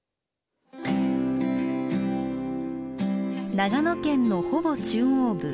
長野県のほぼ中央部。